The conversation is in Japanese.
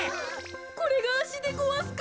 これがあしでごわすか。